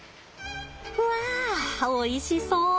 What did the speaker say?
わあおいしそう！